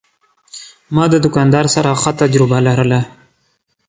ما د دوکاندار سره ښه تجربه لرله.